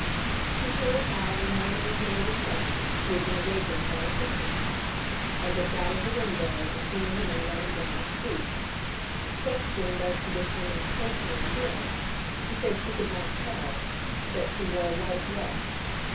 She told how on the morning of May the seventh she had been awakened by a pistol shot, had looked out of the window and seen a woman running down the street. Questioned as to this woman's personal appearance, she said she could not tell, but that she wore a white dress.